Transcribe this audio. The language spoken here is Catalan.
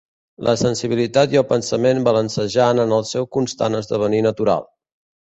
La sensibilitat i el pensament balancejant en el seu constant esdevenir natural.